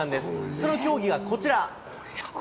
その競技はこちら。